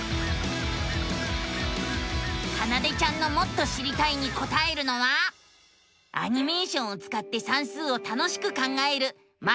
かなでちゃんのもっと知りたいにこたえるのはアニメーションをつかって算数を楽しく考える「マテマティカ２」。